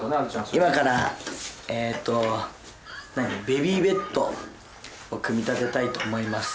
今からえっとベビーベッドを組み立てたいと思います。